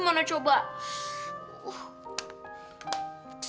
pernah nggak ngerti